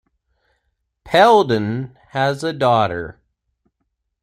Peldon has a daughter.